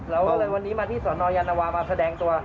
เราก็เลยวันนี้มาที่สนยานวามาแสดงตัว